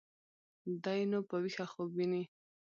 دى نو په ويښه خوب ويني.